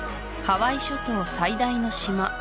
ハワイ諸島最大の島